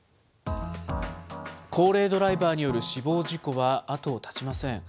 高齢ドライバーによる死亡事故は後を絶ちません。